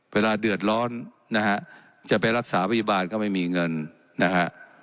เวลาเดือดร้อนนะฮะจะไปรักษาพยาบาลก็ไม่มีเงินนะฮะ